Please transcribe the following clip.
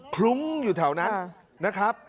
ลุ้งอยู่แถวนั้นนะครับ